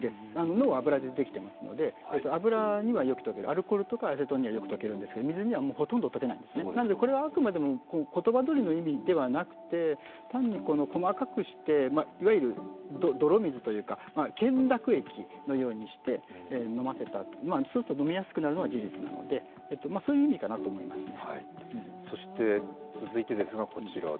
脳は脂でできていますので油にはよく溶ける、アルコールとかにはよく溶けるんですけど、水には溶けないんですねなので、これはあくまでも言葉どおりの意味ではなくて単に細かくして、いわゆる泥水というか懸濁液のようなものして飲ませた、そうすると飲みやすくなるのは事実なのでそういう意味かなと思いますね。